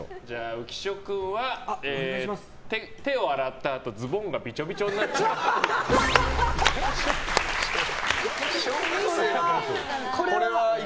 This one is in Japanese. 浮所君は、手を洗ったあとズボンがびちょびちょになっちゃうっぽい。